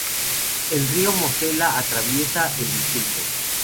El río Mosela atraviesa el distrito.